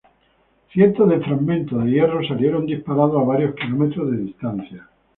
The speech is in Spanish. Cientos de fragmentos de hierro salieron disparados a varios kilómetros de distancia.